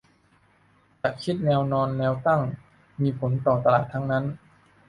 จะคิดแนวนอนแนวตั้ง มีผลต่อตลาดทั้งนั้น